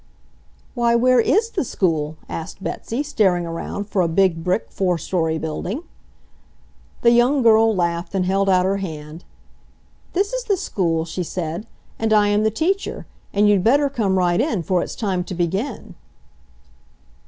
"Why, where IS the school?" asked Betsy, staring around for a big brick, four story building. The young girl laughed and held out her hand. "This is the school," she said, "and I am the teacher, and you'd better come right in, for it's time to begin."